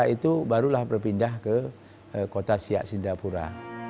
nah setelah itu barulah berpindah ke kota siap sindapura